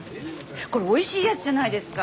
これおいしいやつじゃないですか。